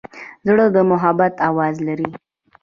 زړه د محبت آواز لري.